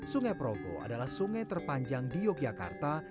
sungai progo adalah sungai terpanjang di yogyakarta